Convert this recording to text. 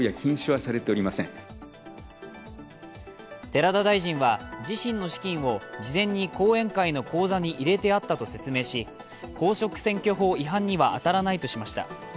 寺田大臣は自身の資金を事前に後援会の口座に入れてあったと説明し公職選挙法違反には当たらないとししました。